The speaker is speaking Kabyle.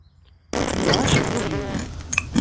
Ḥemmleɣ acebbub-iw.